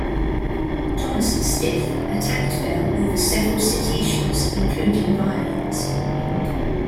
Thomas Stith attacked Bell over several city issues including violence.